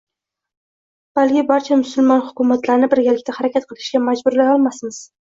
Balki barcha musulmon hukumatlarini birgalikda harakat qilishga majburlay olmasmiz